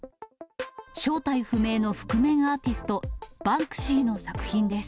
正体不明の覆面アーティスト、バンクシーの作品です。